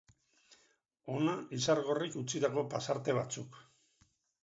Hona Izargorrik utzitako pasarte batzuk.